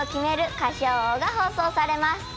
『歌唱王』が放送されます。